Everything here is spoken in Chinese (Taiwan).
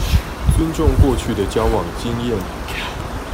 尊重過去的交往經驗